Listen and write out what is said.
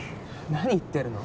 何言ってるの！